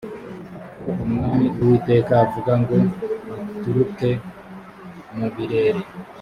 ko umwami uwiteka avuga ngo uturuke mu birere